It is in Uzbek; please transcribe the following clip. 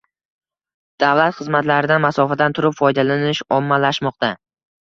Davlat xizmatlaridan masofadan turib foydalanish ommalashmoqda